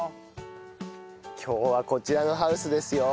今日はこちらのハウスですよ。